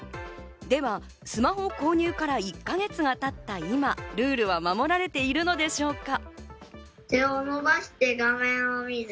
ではスマホ購入から１か月が経った今、ルールは守られているのでしょうか？